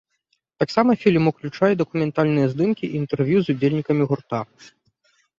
Таксама фільм уключае дакументальныя здымкі і інтэрв'ю з удзельнікамі гурта.